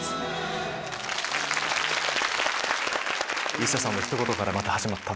ＩＳＳＡさんのひと言から始まった。